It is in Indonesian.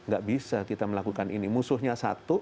gak bisa kita melakukan ini musuhnya satu